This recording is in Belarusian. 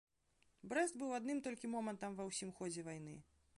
Брэст быў адным толькі момантам ва ўсім ходзе вайны.